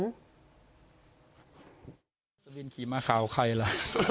การสบินพิมศ์กรีมะคาวใครละ